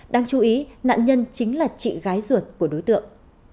đáng chú ý nạn nhân chính là chị gái ruột của đối tượng